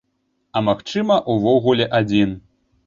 А магчыма, увогуле адзін.